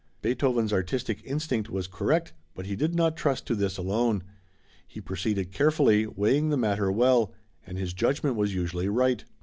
Beethoven's artistic instinct was correct, but he did not trust to this alone. He proceeded carefully, weighing the matter well, and his judgment was usually right.